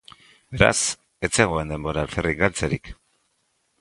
Beraz, ez zegoen denbora alferrik galtzerik.